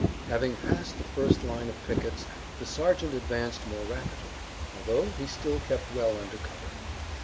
Having passed the first line of pickets the sergeant advanced more rapidly, although he still kept well under cover.